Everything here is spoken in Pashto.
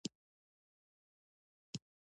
څنګه هره شپه زرګونه واره قهوه وڅښم